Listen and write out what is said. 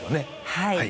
はい。